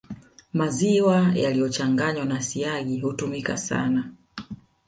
Maziwa yaliyochanganywa na siagi hutumika sana